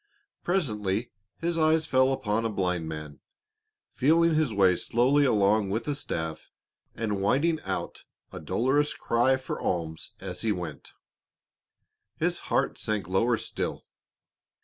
Presently his eyes fell upon a blind man, feeling his way slowly along with a staff and whining out a dolorous cry for alms as he went. His heart sank lower still.